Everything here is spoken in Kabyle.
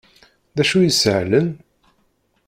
D acu i isehlen?